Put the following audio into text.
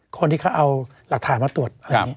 คนที่เขาเอาหลักฐานมาตรวจ